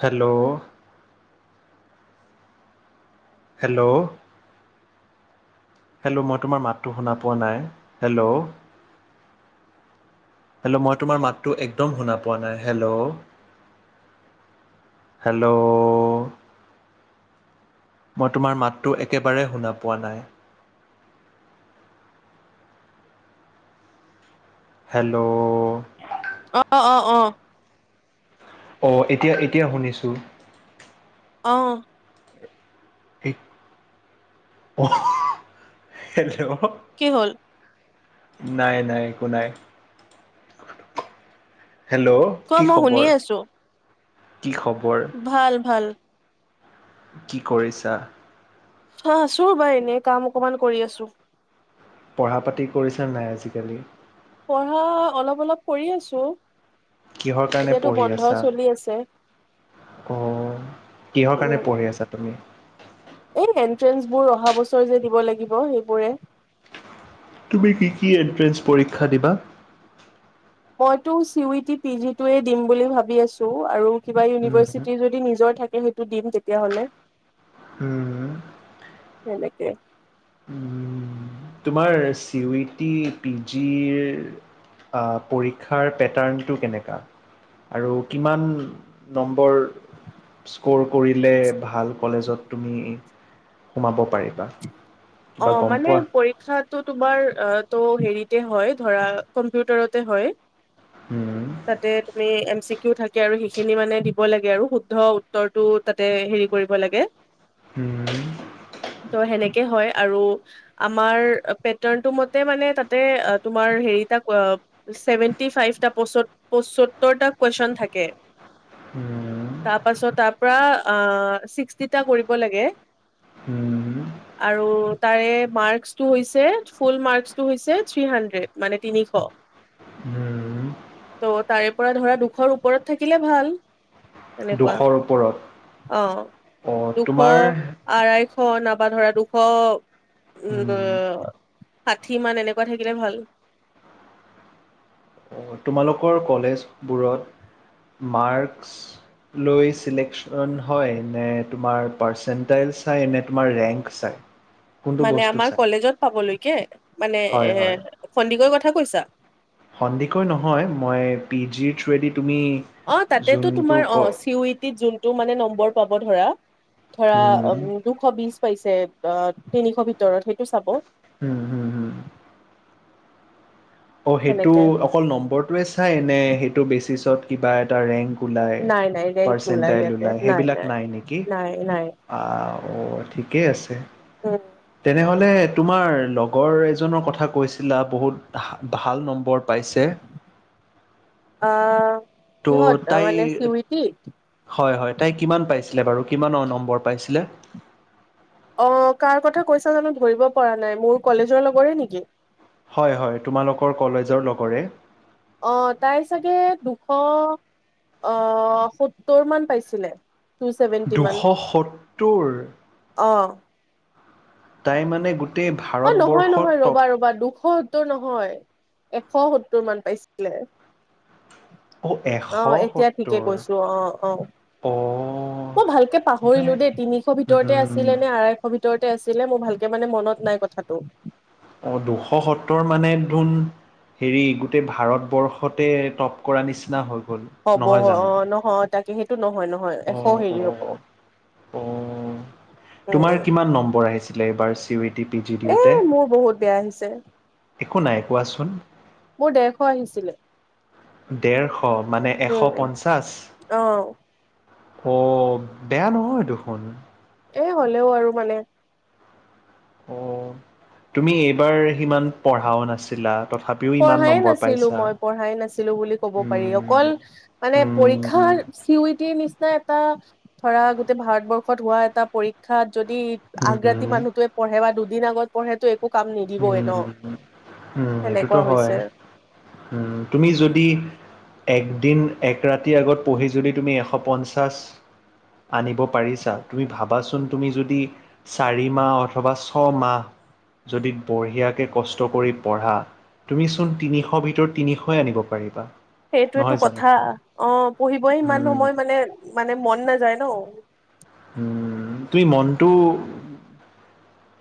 Hello. Hello. Hello মই তোমাৰ মাতটো শুনা পোৱা নাই হেল্ল'। হেল্ল' মই তোমাৰ মাতটো একদম শুনা পোৱা নাই হেল্ল' হেল্ল'। মই তোমাৰ মাতটো একেবাৰে শুনা পোৱা নাই। হেল্ল'। অ অ। অ। অ এতিয়া এতিয়া শুনিছোঁ। অ। অ অ হেল্ল। কি হ'ল। নাই নাই একো নাই। হেল্ল' কোৱা কি মই খবৰ। শুনিয়ে আছো কি খবৰ ভাল ভাল। কি কৰিছা? অ আছো ৰবা এনেই কাম অকমান কৰি আছো? পঢ়া পাতি কৰিছে নাই আজিকালি? পঢ়া অলপ অলপ কৰি আছো? কিহৰ এতিয়াতো বন্ধও চলি আছে? অ কিহৰ কাৰণে উম পঢ়ি আছা তুমি। উম এই এনট্ৰেন্ঞ্চ বোৰ অহা বছৰ যে দিব লাগিব সেইবোৰে? তুমি কি কি এনন্ট্ৰেন্ঞ্চ পৰীক্ষা দিবা। মইতো C U T P G টোৱে দিম বুলি ভাবি আছো আৰু। কিবা উম, ইউনিভাৰ্চিটি যদি নিজৰ থাকে? সেইটো দিম তেতিয়া হ'লে। উম এনেকে? উম। তোমাৰ চি ইউ টি পিজিৰ পৰীক্ষাৰ পেটাৰ্ণটো কেনেকুৱা আৰু কিমান নম্বৰ স্ক'ৰ কৰিলে ভাল কলেজত তুমি সোমাব। পাৰিবা অ কিবা গম মানে পোৱা? পৰীক্ষাটো তোমাৰ ত হেৰিতে হয় ধৰা কম্পিউটাৰতে হয়। হুম, তাতে তুমি এ। চিকিয়ো থাকে আৰু সেইখিনি মানে দিব লাগে আৰু শুদ্ধ উত্তৰটো তাতে হেৰি কৰিব লাগে হুম, ত' সেনেকে হয় আৰু আমাৰ পেটাৰণটো মতে মানে তাতে তোমাৰ হেৰিতা ছেভেনটি ফাইভটা পচত। পসত্তটা কোৱেচন থাকে হুম, তাৰ পাছত তাৰপৰা শিষটিটা কৰিব লাগে হুম, আৰু তাৰে মাক্সচটো হৈছে ফুল মাক্সচটো হৈছে থিৰ সানন্দেত মানে তিনিশ? হুম। ত' তাৰে পৰা ধৰা দুখৰ ওপৰত থাকিলে ভাল এনেকুৱা দুশৰ ওপৰত অ। অ' দুশ তোমাৰ আঢ়াইশ? নাবা ধৰা দুশ হুম, উ ষাঠি মান এনেকুৱা থাকিলে ভাল। তোমালোকৰ কলেজবোৰত মাৰ্কছ লৈ চিলেকশ্যন হয়। নে তোমাৰ পাৰ্চেণ্টেজ চাই নে তোমাৰ ৰেংক চাই। কোনটো মানে বস্তু আমাৰ চাই কলেজত পাবলৈকে মানে এ হয় হয় সন্দিকৈৰ কথা। কথা কৈছা? সন্দিকৈ নহয় মই পি জি থু। অ তাতেতো তোমাৰ অ চিৱটিত যোনটো তোমাৰ নম্বৰটো। পাব ধৰা। ধৰা হুম অ। দুশ বিশ পাইছে আহ তিনিশ ভিতৰত সেইটো চাব। হুম হুম হুম অ সেইটো সেনেকে অকল নম্বৰটোৱে চাই নে সেইটো বেচিচত কিবা এটা ৰেংক ওলাই নাই নাই ৰেংক পাৰ্চণ্ট নোলাই ইয়াতে ওলাই সেইবিলাক নাই নেকি নাই নাই অ ঠিকেই আছে উম তেনেহলে? তোমাৰ লগৰ এজনৰ কথা কৈছিলা বহুত। ভাল নম্বৰ? পাইছে অহ। ত' তাই হয় হয় তাই কিমান পাই। আছিলে বাৰু কিমানৰ নম্বৰ পাইছিলে। অ কাৰ কথা কৈছা জানো ধৰিব পৰা নাই। মোৰ কলেজৰ লগৰি নেকি? হয়, হয় তোমালোকৰ কলেজৰ লগৰে। অ তাই চাগে দুশ আহ সত্তৰ মান পাইছিলে। টু চেভেন্টি মান দুশ সত্তৰ। অ', তাই মানে গোট এ নহয়, নহয় ৰবা, ৰবা দুশ সত্তৰ নহয়, এশ সত্তৰ মান পাইছিলে। এশ অ এতিয়া ঠিকে সত্তৰ কৈছোঁ অ, অ অ' মই ভালকে ভাই, পাহৰিলো দেই তিনিশ ভিতৰতে উম, আছিলে নে আঢ়াইশ ভিত ভিতৰতে আছিলে মোৰ ভালকে মানে মনত নাই ক কথাটো অ দুশ সত্তৰ মানে তো, হেৰি গোটেই ভাৰতবৰ্ষতে টপ। কৰা নিচিনা হৈ গ'ল হ'ব নহয় জানোঁ। অ', নহয় তাকে সেইটো ন উম, উম, উম উম, তোমাৰ উম। কিমান নম্বৰ আহিছে? [unintelligible] বাৰ ছিৱইট এ মোৰ বহুত বেয়া আহিছে, একো নাই কোৱাচোন। মোৰ ডেৰশ আহিছিলে। ডেৰশ। অ মানে এশ উম, পঞ্চাছ অ', অ বেয়া নহয় দেখোন। এ হ'লেও আৰু মানে অ তুমি এইবাৰ সিমান পঢ়াও নাছিলা। তথাপিও ইমান পঢ়াই নম্বৰ নাছিলো পাইছা। মই পঢ়াই নাছিলো বুলি কব পাৰি, উম, অকল মানে পৰীক্ষা উম, চিও টিৰ নিচি এটা ধৰা গোটেই ভাৰতবৰ্ষত হোৱা এটা পৰীক্ষাত যদি আগ্ৰাতি উম, মানুহটোৱে পঢ়ে বা দু দুদিনৰ আগত পঢ়েতো একো কাম নিদিবয়ে ন হয় নে? সেইটো হয়, উম তুমি যদি একদিন এক ৰাতিৰ আগত পঢ়ি যদি তুমি এশ পঞ্চাছ আনিব পাৰিছা, তুমি ভাবাচোন তুমি যদি চাৰি মাহ অথবা ছমাহ যদি বঢ়িয়াকৈ কষ্ট কৰি পঢ়া, তুমিচোন তিনিশ ভিতৰত তিনিশই আনিব পাৰিবা। সেইটোৱেটো নহয় জানো কথা, অ পঢ়িবই ইমান উম সময় মানে, মানে মন নাযায় ন উম তুমি মনটো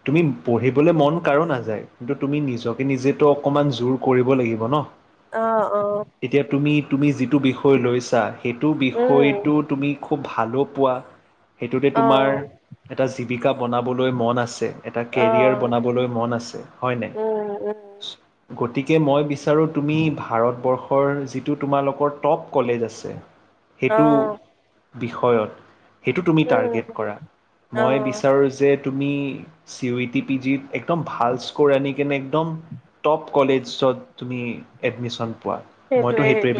তুমি পঢ়িবলে মন কাৰো নাযায়, কিন্তু তুমি নিজকে নিজেতো অকণমান জোৰ কৰিব লাগিব ন অহ অ এতিয়া তুমি তুমি যি যিটো বিষয় লৈছা, সেইটো উম বিষয়টো তুমি খুব ভালো পোৱা, সেইটোতে অ তোমাৰ এটা যি পিকা বনাবলৈ মন আছে এটা অ কেৰিয়াৰ বনাবলৈ মন আছে হয় নাই উম উম গতিকে মই বিচাৰোঁ তুমি ভাৰতবৰ্ষৰ যিটো তোমালোকৰ টপ কলেজ আছে অ সেইটো বিষয়ত সেইটো তুমি উম টাৰ্গেট উম কৰা অ মই বিচাৰো যে তুমি চিউডিপিজিত একম ভাল স্কৰ আনি কেনে একম টপ কলেজত তুমি এডমিশন পোৱা মইতো সেইটোৱে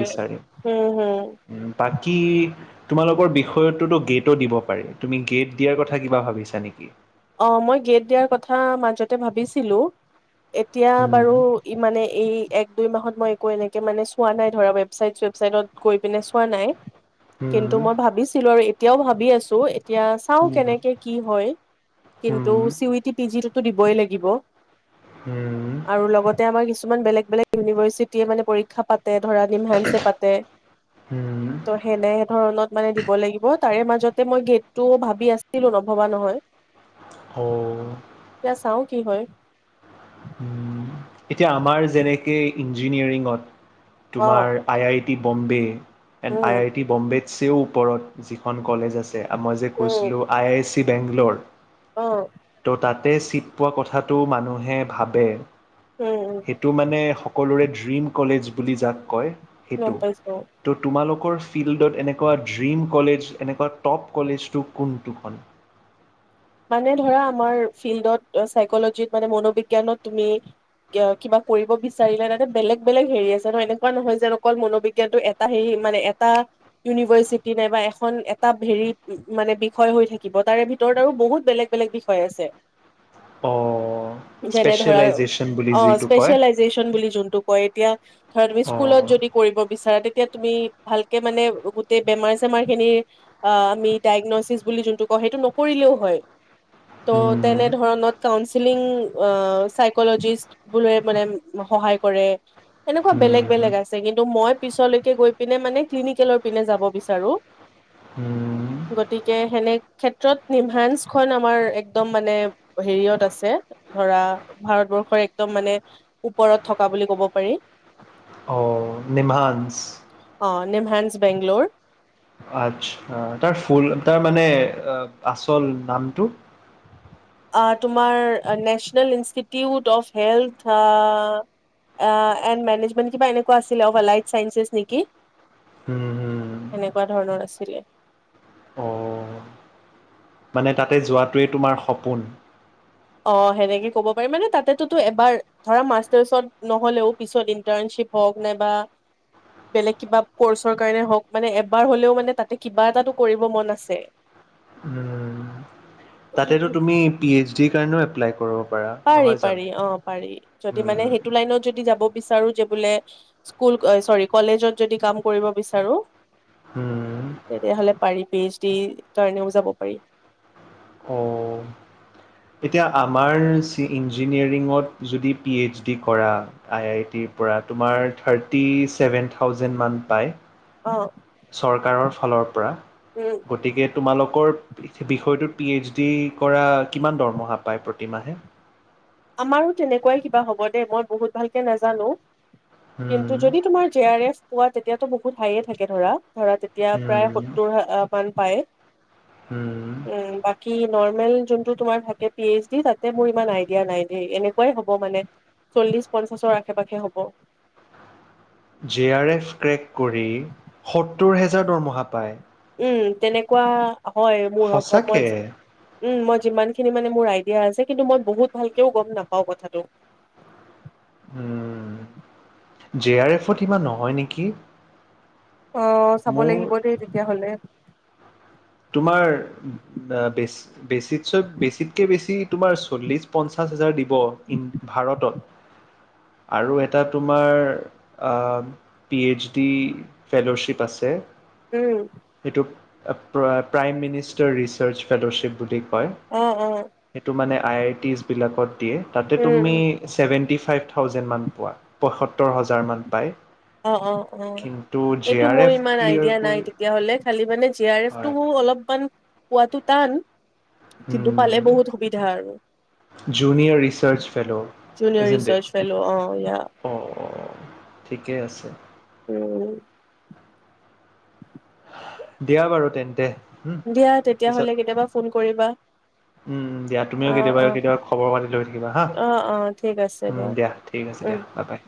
উম হম বিচাৰিম তাক কি তোমালোকৰ বিষয়টোত গেটো দিব তুমি গেদ দিয়াৰ কথা কিবা ভাবিছা নেকি? অ মই গেট দিয়াৰ কথা মাজতে ভাবিছিলো এতিয়া বাৰু হুম ই মানে এই এক দুই মাহত মই একো এনেক ত মানে চোৱা নাই ধৰা ৱেবচাইট চেবচাইটত গৈ পিনে চোৱা নাই কিন্তু হুম মই ভাবিছিলো আৰুএ এতিয়াও ভাবি আছো এতিয়া চাও হুম কেনেকে কি হয় কিন্তু হুম চিইউতিতি যিটো টো দিবই লাগিব। হুম আৰু লগতে আমাৰ কিছুমান ইমান বেলেগ - বেলেগ ইউনিভাৰ্চিটিয়ে মানে পৰীক্ষা প পাতে ধৰা দিম হেন চে পাতে হুম ত', সেনে ধৰণত মানে দিব লাগিব। তাৰে মাজতে মই গেদটো ভাবি আছিলো নভবা নহয়। অ এতিয়া চাও কি হয়? উ এতিয়া আমাৰ যেনেকে ইঞ্জিনিয়াৰিঙত অ তোমাৰ আই - আই টি বম্বে এড উম আই আই টি বম্বে চিও ওপৰত যিখন কলেজ আছে। মই যে কৈছিলো আই আছ চি বেংলৰ অহ তাতে চিট পোৱা কথাটো মানুহে ভাবে উম, উম, সেইটো মানে স সকলোৰে ড্ৰিম কলেজ বুলি যাক কয়। গম সেইটো পাইছোঁ। ত তোমালোক ফিল্ডত এনেকুৱা ড্ৰীম কলেজ এনেকুৱা টপ কলেজটো কোনটো হয়? মানে ধৰা আমাৰ ফিল্ডত চাইকলজিত মানে মনোবিজ্ঞানত তুমি কিবা কৰিব বিচাৰিলা ত বেলেগ - বেলেগ হেৰি আছে ন', এনেকুৱা নহয় যে অকল মনোবিজ্ঞানটো এটা হে মানে এটা ইউনিভাৰ্চিটি নাইবা এখন এটা হেৰি মানে বিষয় হৈ থাকিব তাৰে ভিতৰত আৰু বহুত বেলেগ - বেলেগ বিষয় আছে। অ' যেনে ধৰা স্পেচিয়েলাইজেশ্যন বুলি অ', যিটো কয় স্পেচিয়েলাইজেচন বুলি যোনটো কয় এতিয়া ধৰা তুমি স্কুলত অ' যদি কৰিব বিচাৰা তেতিয়া তুমি ভালকে মানে গোটেই বেমাৰ চেমাৰ খিনিৰ অ', আমি ডায়েগনচিছ বুলি যোনটো কওঁ সেইটো নকৰিলেও হয়। ত', উম, তেনে ধৰণত কাউন্সিলিং অ ', চিকলোজিষ্টবোৰ লৈ মানে সহায় কৰে। এনেকুৱা বেলেগ- উম, বেলেগ আছে কিন্তু মই পিছলৈকে গৈ পিনে মানে ক্লিনিকেলৰ পিনে যাব বিচাৰো। উম', গতিকে সেনে ক্ষেত্ৰত নি ফ্ৰান্সখন আমাৰ একদম মানে হেৰিত আছে ধৰা ভাৰতবৰ্ষৰ একদম মানে ওপৰত থকা বুলি কব পাৰি। নিমাস অঁ', নিম হেণ্ছ বেংল'ৰ। আচ্ছা, তাৰ ফুল তাৰ মানে আচল নামটো? তোমাৰ নেশচনেল ইনষ্টিটিউট অফ হেল্থ অ', আঁহ', এণ্ড মেনেজমেণ্ট কিবা এনেকুৱা আছিল অ ', এলাইড চাইেছ নেকি উম, হুম, সেনেকুৱা ধৰণৰ আছিলে। অ'। মানে তাতে যোৱাটোৱেই তোমাৰ সপোন। অ সেনেকে কব পাৰ মানে তাতেটোত এবাৰ মাষ্টাৰ চেফ নহ'লেও ইন্টাৰনচিপ হক বেলেগ কিবা ক্ৰছৰ কাৰণে হক এবৈ হলও কিবা এটাটো কৰিব মন আছে তাতে তুমি পি এইচ ডিৰ কাৰণেও এপ্লাই কৰক পাৰি পাৰি অ পাৰি যদি মানে উম, সেইটো লাইনত যদি যাব বিচাৰো যাবলে স্কুল চৰী কলেজত যদি কাম কৰিব বিচাৰো উম, তেতিয়াহ'লে পাৰি বেজ দি কাৰণেও যাব পাৰি অঁ এতিয়া আমাৰ ইঞ্জিনিয়াৰিঙত যদি পি এইচ ডি কৰা আই আই টিৰ পৰা তোমাৰ থাৰ্টি চছেভেন থাউজেণ্ড মান পায় অ চৰকাৰৰ ফালৰ পৰা উম গতিকে তোমালোকৰ বিষয়টোত পি এইচ ডি কৰা কিমান দৰমহা পায় প্ৰতিমাহে আমাৰো তেনেকুৱাই কিবা হ'ব দেই মই বহুত ভালকে নাজানো কিন্তু উম, যদি তোমাৰ জে আৰ এফ পোৱা তেতিয়াতো বহুত হাইয়ে থাকে ধৰা ধৰা তেতিয়া প্ৰায় উম, সত্তৰ হ মান পায় উম বাকি নৰ্মেল যোনটো তোমাৰ থাকে পি এইচ ডি তাতে মোৰ ইমান আইডিয়া নাই এ এনেকুৱাই হব মানে চল্লিশ পঞ্চাশৰ আশে পাশে হ'ব। জে আৰ এফ ক্ৰেক কৰি। সত্তৰ হেজাৰ দৰমহা পায়। উম তেনেকুৱা হয় মোৰ সম্ভৱ সঁচাকে হৈছে। উম মই যিমান খিনি মানে মোৰ আইডিয়া আছে কিন্তু মই বহুত ভালকেও গম নাপাওঁ কথাটো। উম জে আৰ এফত ইমান নহয় নেকি অ চাব লাগিব মোৰ দেই তেতিয়া হলে তোমাৰ বে ত বেছিতকে বেছি তোমাৰ চল্লিশ, পঞ্চাশ, হাজাৰ দিব ভাৰতত আৰু এটা তোমাৰ পি এইচ ডি ফেল'শ্বিপ, আছে। উম অ প্ৰ প্ৰাইম মিনিষ্টাৰ ৰিচাৰ্চ ফেল'শ্বিপ, বুলি কই অ অ সেই টোম মানে আই আই টি বিলাকত দিয়ে তাতে উম তুমি উম, চেবেনটি ফাইব থাউজেণ্ড মান পোৱা পয়সত্তৰ হাজাৰমান অ অ অ জে এইটো আৰ মোৰ এফ ইমান ক্লিয়াৰ আইডিয়া নাই কৰি তেতিয়াাহ'লে খালি মানে জি আৰ এফ হয় তটো অলপ কন কোৱাটো টান কিন্তু পালে বহুত সুবিধা আৰু research fellow junior ইজেণ্ট it research fellow অ ইয়া ঠিকে আছে। অ দিয়া বাৰু তেন্তে উ দিয়া পিছত তেতিয়াহ'লে কেতিয়াবা ফোন কৰিবা উ দিয়া তুমিও অ কেতিয়াবা অ কেতিয়াবা খবৰ পাতি লৈ থাকিবা হা অ অ ঠিক আছে দিয়া। ঠিক আছে উম দিয়া বা বাই।